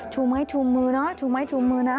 ชุมให้ชุมมือนะชุมให้ชุมมือนะ